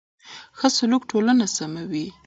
ښه سلوک ټولنه سموي.